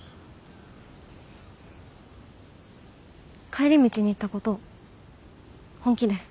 帰り道に言ったこと本気です。